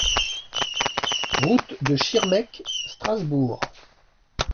Route de Schirmeck, Strasbourg